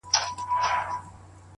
نوك د زنده گۍ مو لكه ستوري چي سركښه سي”